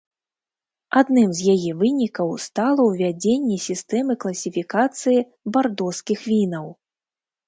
Адным з яе вынікаў стала ўвядзенне сістэмы класіфікацыі бардоскіх вінаў.